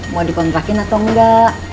mau dipengrakin atau enggak